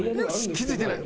気付いてない！